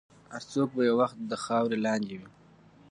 هر څوک به یو وخت د خاورې لاندې وي.